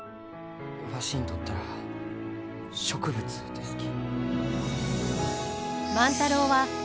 わしにとったら植物ですき。